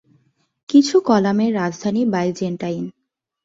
কিছু কলামের রাজধানী বাইজেন্টাইন।